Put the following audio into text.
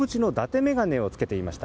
眼鏡を着けていました。